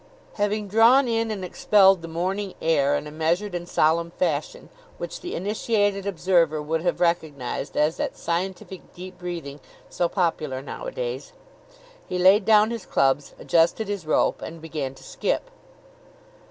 Having drawn in and expelled the morning air in a measured and solemn fashion, which the initiated observer would have recognized as that scientific deep breathing so popular nowadays, he laid down his clubs, adjusted his rope and began to skip.